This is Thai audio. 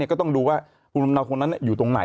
ก็ต้องดูว่าภูมิลำเนาคนนั้นอยู่ตรงไหน